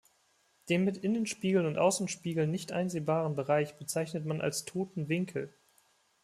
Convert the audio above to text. Den mit Innenspiegel und Außenspiegeln nicht einsehbaren Bereich bezeichnet man als "toten Winkel".